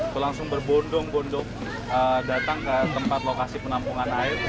berlangsung berbondong bondong datang ke tempat lokasi penampungan air